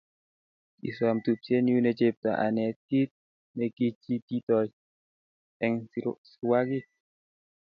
kisom tupchenyu ne chepto aneet kit nekichititoi eng sirwakik